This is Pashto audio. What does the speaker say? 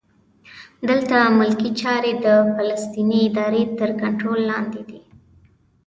دلته ملکي چارې د فلسطیني ادارې تر کنټرول لاندې دي.